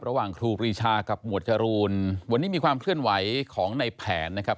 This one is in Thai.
ครูปรีชากับหมวดจรูนวันนี้มีความเคลื่อนไหวของในแผนนะครับ